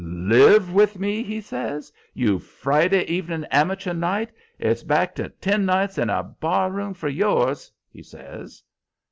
"LIVE with me!" he says. "You Friday evening amateur night! It's back to 'Ten Nights in a Barroom' for yours!" he says.